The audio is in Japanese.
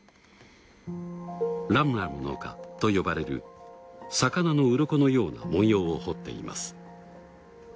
ラムラムノカと呼ばれる魚のウロコのような文様を彫っています。